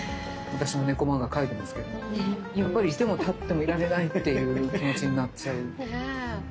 私も猫漫画描いてますけれどもやっぱりいてもたってもいられないっていう気持ちになっちゃう。